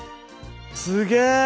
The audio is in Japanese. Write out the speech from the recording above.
すげえ！